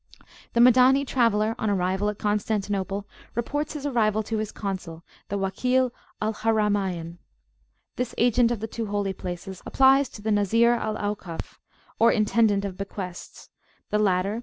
The Madani traveller, on arrival at Constantinople, reports his arrival to his Consul, the Wakil al Haramayn. This Agent of the two Holy Places applies to the Nazir al Aukaf, or Intendant of Bequests; the latter, [p.